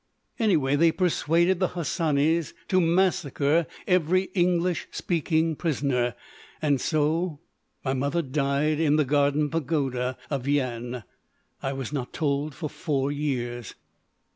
Anyway, they persuaded the Hassanis to massacre every English speaking prisoner. And so—my mother died in the garden pagoda of Yian.... I was not told for four years."